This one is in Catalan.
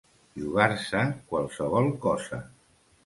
Jugar-se qualsevol cosa.